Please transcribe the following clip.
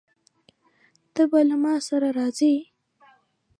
ته به له ما سره راځې؟